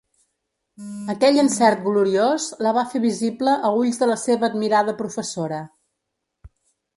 Aquell encert gloriós la va fer visible a ulls de la seva admirada professora.